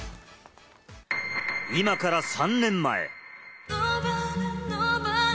今から３年前。